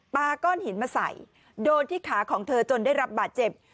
ก้อนหินมาใส่โดนที่ขาของเธอจนได้รับบาดเจ็บ